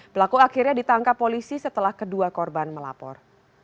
pelaku akhirnya ditangkap polisi setelah kedua korban melapor